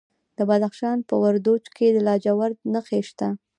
د بدخشان په وردوج کې د لاجوردو نښې شته.